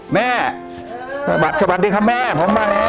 แม่สวัสดิ์ค่ะแม่ผมมาแล้วผมมาหาแม่แหละ